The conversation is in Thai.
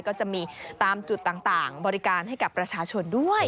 ก็จะมีตามจุดต่างบริการให้กับประชาชนด้วย